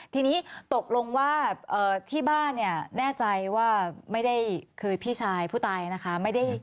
ทีนี้ตกลงว่าที่บ้านเนี่ยแน่ใจว่าไม่ได้คือพี่ชายผู้ตายนะคะ